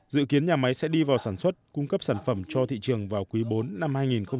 dự kiến nhà máy sẽ đi vào sản xuất cung cấp sản phẩm cho thị trường vào quý bốn năm hai nghìn hai mươi